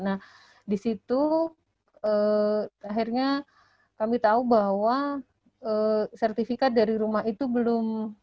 nah di situ akhirnya kami tahu bahwa sertifikat dari rumah itu belum